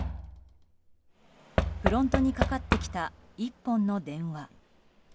フロントにかかってきた１本の電話。